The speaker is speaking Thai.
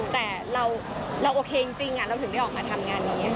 แต่เราโอเคจริงเราถึงได้ออกมาทำงานอย่างนี้ค่ะ